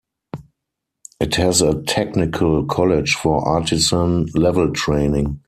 It has a technical college for artisan level training.